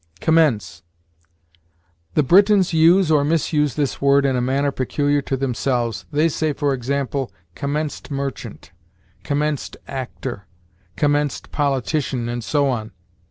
COMMENCE. The Britons use or misuse this word in a manner peculiar to themselves. They say, for example, "commenced merchant," "commenced actor," "commenced politician," and so on.